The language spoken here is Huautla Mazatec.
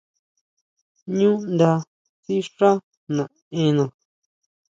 Ñu nda sixá naʼena.